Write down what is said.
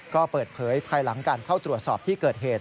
ก็เปิดเผยภายหลังการเข้าตรวจสอบที่เกิดเหตุ